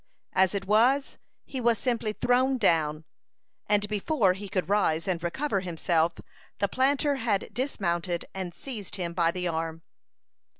As it was, he was simply thrown down, and before he could rise and recover himself the planter had dismounted and seized him by the arm.